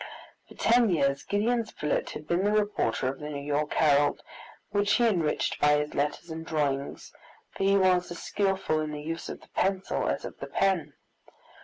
For ten years Gideon Spilett had been the reporter of the New York Herald, which he enriched by his letters and drawings, for he was as skilful in the use of the pencil as of the pen.